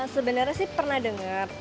sebenarnya sih pernah dengar